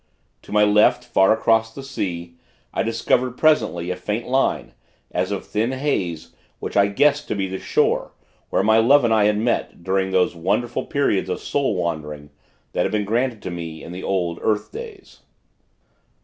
To my left, far across the sea, I discovered, presently, a faint line, as of thin haze, which I guessed to be the shore, where my Love and I had met, during those wonderful periods of soul wandering, that had been granted to me in the old earth days.